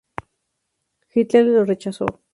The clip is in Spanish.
Hitler lo rechazó.